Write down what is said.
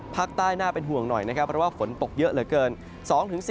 ภาคใต้น่าเป็นห่วงหน่อยเพราะว่าฝนตกเยอะเหลือเกิน